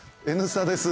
「Ｎスタ」です